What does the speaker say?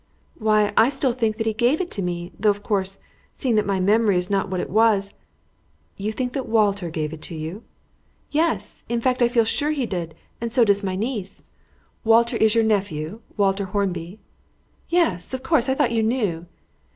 "Why I still think that he gave it to me, though, of course, seeing that my memory is not what it was " "You think that Walter gave it to you?" "Yes, in fact I feel sure he did, and so does my niece." "Walter is your nephew, Walter Hornby?" "Yes, of course. I thought you knew."